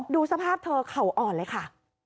ดูสภาพเธอเข่าอ่อนเลยค่ะ